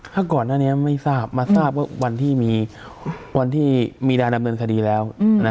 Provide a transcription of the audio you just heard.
ถ้าก่อนหน้านี้ไม่ทราบมาทราบว่าวันที่มีนาดำเนินคดีแล้ว